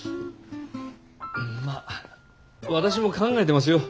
まあ私も考えてますよ。